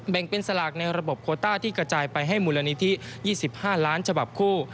เป็นสลากในระบบโคต้าที่กระจายไปให้มูลนิธิ๒๕ล้านฉบับคู่